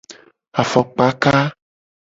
Afokpaka.